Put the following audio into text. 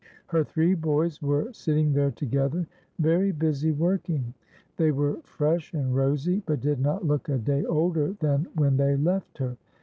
Her three boys were sitting there together, very busy working. They were fresh and rosy, but did not look a day older than when they left her.